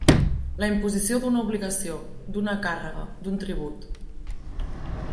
La imposició d'una obligació, d'una càrrega, d'un tribut.